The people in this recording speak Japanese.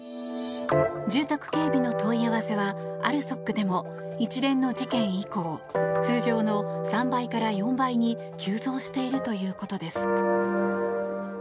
住宅警備の問い合わせはＡＬＳＯＫでも一連の事件以降通常の３倍から４倍に急増しているということです。